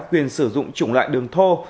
quyền sử dụng chủng loại đường thô